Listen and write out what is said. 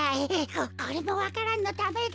ここれもわか蘭のためだ。